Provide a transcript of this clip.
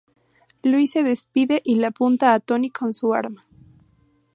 Luis se despide y le apunta a Tony con su arma.